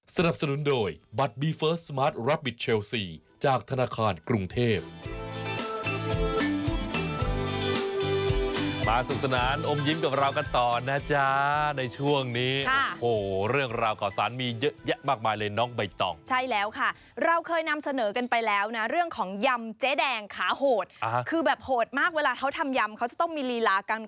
สนับสนุนโดยบัตรบีเฟิร์สสมาร์ทรับวิทย์เชลซีจากธนาคารกรุงเทพธนาคารกรุงเทพธนาคารกรุงเทพธนาคารกรุงเทพธนาคารกรุงเทพธนาคารกรุงเทพธนาคารกรุงเทพธนาคารกรุงเทพธนาคารกรุงเทพธนาคารกรุงเทพธนาคารกรุงเทพธนาคารกรุงเทพธนาคารกรุงเทพธนาคารก